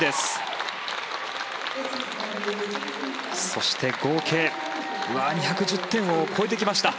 そして、合計２１０点を超えてきました。